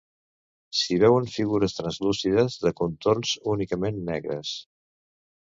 S'hi veuen figures translúcides de contorns únicament negres.